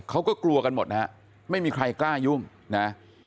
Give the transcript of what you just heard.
เขาก็กลัวกันหมดนะฮะไม่มีใครกล้ายุ่งนะ